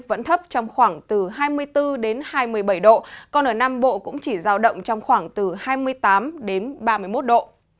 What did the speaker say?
vẫn thấp trong khoảng từ hai mươi bốn đến hai mươi bảy độ còn ở nam bộ cũng chỉ giao động trong khoảng từ hai mươi tám đến ba mươi một độ